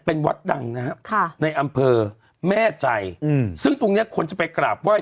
เป็นวัดดังนะฮะค่ะในอำเภอแม่ใจอืมซึ่งตรงเนี้ยคนจะไปกราบไห้